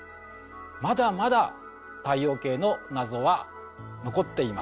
まだまだ太陽系の謎は残っています。